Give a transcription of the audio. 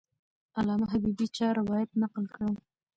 علامه حبیبي چا روایت نقل کړی؟